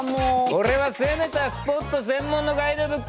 オレは攻めたスポット専門のガイドブックだ！